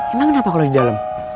ini kenapa kalau di dalam